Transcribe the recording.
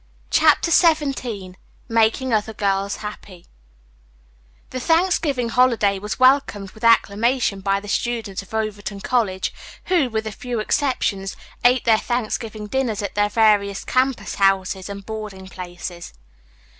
CHAPTER XVII MAKING OTHER GIRLS HAPPY The Thanksgiving holiday was welcomed with acclamation by the students of Overton College, who, with a few exceptions, ate their Thanksgiving dinners at their various campus houses and boarding places.